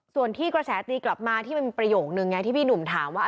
ส่วนที่กระแสตีกลับมาที่มันมีประโยคนึงไงที่พี่หนุ่มถามว่า